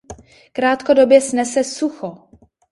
Krátkodobě snese sucho.